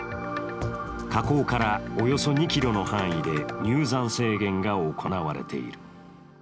火口からおよそ２ｋｍの範囲で入山制限が行われている。